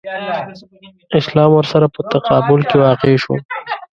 اسلام ورسره په تقابل کې واقع شو.